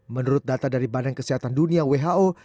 menurut data dari badan kesehatan dunia who